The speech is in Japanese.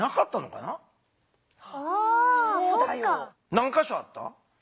何かしょあった？